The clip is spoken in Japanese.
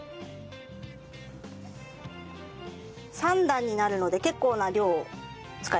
３段になるので結構な量使います。